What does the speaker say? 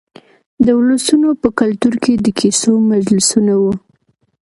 د ولسونو په کلتور کې د کیسو مجلسونه وو.